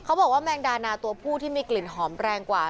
บอกว่าแมงดานาตัวผู้ที่มีกลิ่นหอมแรงกว่า